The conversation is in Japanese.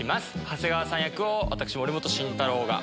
長谷川さん役を私森本慎太郎が。